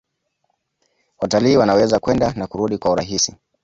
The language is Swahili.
Watalii wanaweza kwenda na kurudi kwa urahisi